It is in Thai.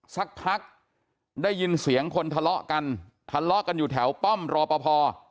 สักพักได้ยินเสียงคนทะเลาะกันทะเลาะกันอยู่แถวป้อมรอปภ